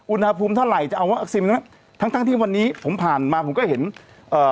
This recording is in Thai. อุณหภูมิเท่าไหร่จะเอาวัคซีนไปไหมทั้งทั้งที่วันนี้ผมผ่านมาผมก็เห็นเอ่อ